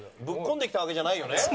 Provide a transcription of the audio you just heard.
ぶっ込んできたわけじゃないよね。